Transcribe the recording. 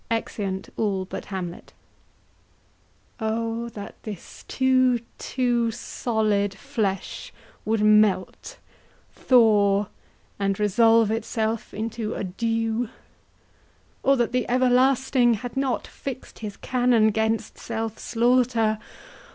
[Exeunt all but Hamlet.] HAMLET. O that this too too solid flesh would melt, Thaw, and resolve itself into a dew! Or that the Everlasting had not fix'd His canon 'gainst self slaughter.